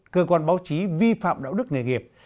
cơ quan báo chí vi phạm đạo đức nghề nghiệp